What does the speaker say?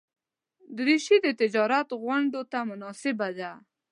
دریشي د تجارت غونډو ته مناسبه ده.